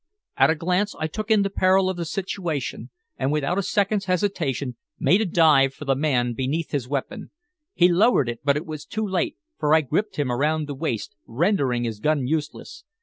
At a glance I took in the peril of the situation, and without a second's hesitation made a dive for the man beneath his weapon. He lowered it, but it was too late, for I gripped him around the waist, rendering his gun useless.